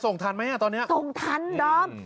ส่งทันไหมตอนนี้นะคะส่งทันน้อง